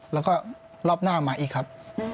แล้วก็รอบหน้ามาอีกครับ